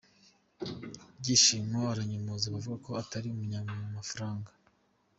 Byishimo aranyomoza abavuga ko atari umunyamafaranga